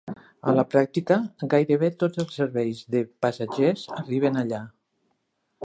A la pràctica, gairebé tots els serveis de passatgers arriben allà.